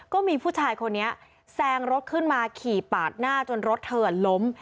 ก็มีผู้ชายคนนี้แซงรถขึ้นมาขี่ปาดหน้าจนรถเธอล้ม